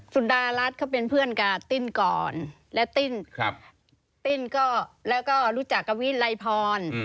สุดารัฐเขาเป็นเพื่อนกับติ้นก่อนและติ้นติ้นก็แล้วก็รู้จักกับวิลัยพร